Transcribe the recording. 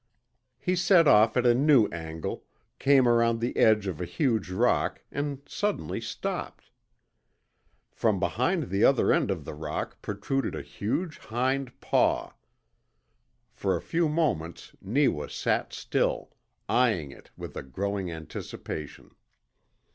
He set off at a new angle, came around the edge of a huge rock, and suddenly stopped. From behind the other end of the rock protruded a huge hind paw. For a few moments Neewa sat still, eyeing it with a growing anticipation.